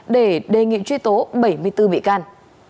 để đề nghị truy tố bảy mươi bốn bị can